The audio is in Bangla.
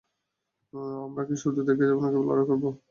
আমরা কি শুধু দেখেই যাব নাকি লড়াই করব?